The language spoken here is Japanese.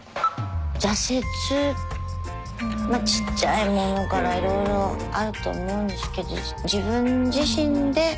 挫折まあちっちゃいものからいろいろあると思うんですけど自分自身で。